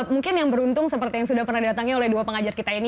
mungkin yang beruntung seperti yang sudah pernah datangnya oleh dua pengajar kita ini